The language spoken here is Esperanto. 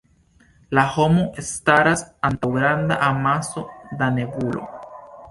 La homo staras antaŭ granda amaso da nebulo.